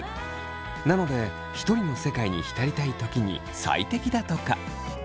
なのでひとりの世界に浸りたい時に最適だとか。